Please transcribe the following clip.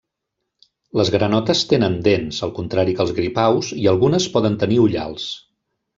Les granotes tenen dents, al contrari que els gripaus, i algunes poden tenir ullals.